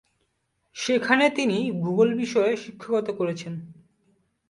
সেখানে তিনি ভূগোল বিষয়ে শিক্ষকতা করছেন।